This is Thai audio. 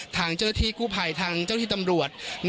ทางเจ้าหน้าที่กู้ภัยทางเจ้าที่ตำรวจ